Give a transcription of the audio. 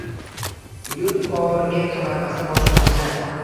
Yurt koriga kamarbasta bojxonachilar